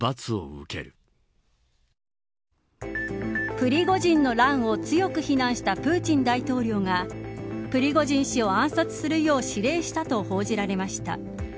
プリゴジンの乱を強く非難したプーチン大統領がプリゴジン氏を暗殺するよう指令したと報じられました。